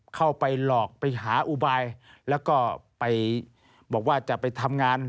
เข้าไปหลอกไปหาอุบายแล้วก็ไปบอกว่าจะไปทำงาน